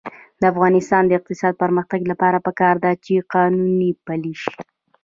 د افغانستان د اقتصادي پرمختګ لپاره پکار ده چې قانون پلی شي.